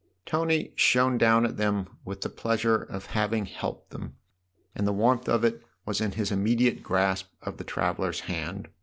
Tony shone down at them with the pleasure of having helped them, THE OTHER HOUSE 39 and the warmth of it was in his immediate grasp of the traveller's hand.